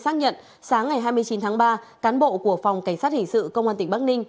xác nhận sáng ngày hai mươi chín tháng ba cán bộ của phòng cảnh sát hình sự công an tỉnh bắc ninh